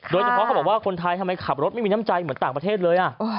โดยเฉพาะเขาบอกว่าคนไทยทำไมขับรถไม่มีน้ำใจเหมือนต่างประเทศเลย